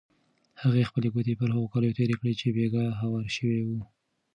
هغې خپلې ګوتې پر هغو کالیو تېرې کړې چې بېګا هوار شوي وو.